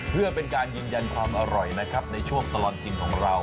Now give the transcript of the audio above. เพื่อเป็นการยืนยันความอร่อยนะครับในช่วงตลอดกินของเรา